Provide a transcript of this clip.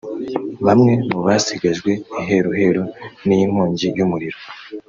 Bamwe mu basigajwe iheruheru n’iyi nkongi y’umuriro